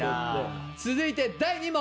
続いて第２問！